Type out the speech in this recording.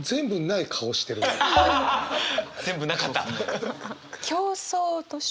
全部なかった？